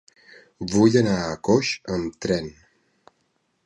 Vull anar a Coix amb tren.